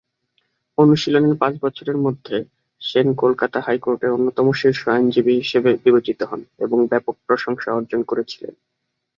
অনুশীলনের পাঁচ বছরের মধ্যে, সেন কলকাতা হাইকোর্টের অন্যতম শীর্ষ আইনজীবী হিসাবে বিবেচিত হন এবং ব্যাপক প্রশংসা অর্জন করেছিলেন।